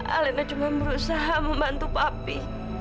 alena cuma berusaha membantu papi